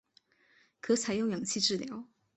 可采用氧气治疗。